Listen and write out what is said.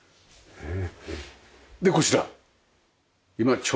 へえ。